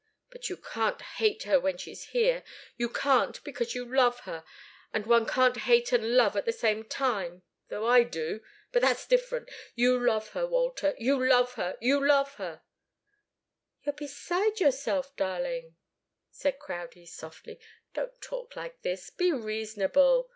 But you can't hate her when she's here you can't because you love her, and one can't hate and love at the same time, though I do but that's different. You love her, Walter! You love her you love her " "You're beside yourself, darling," said Crowdie, softly. "Don't talk like this! Be reasonable!